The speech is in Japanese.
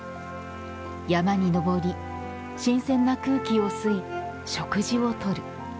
山に登り新鮮な空気を吸い、食事を取る。